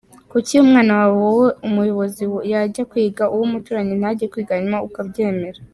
Kuki umwana wawe wowe muyobozi yajya kwiga, uw’umuturanyi ntajye kwiga hanyuma ukabyemera?